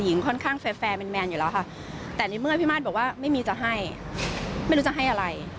ค่อนข้างแฟร์แมนอยู่แล้วค่ะแต่ในเมื่อพี่มาสบอกว่าไม่มีจะให้ไม่รู้จะให้อะไร